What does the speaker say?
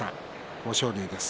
豊昇龍です。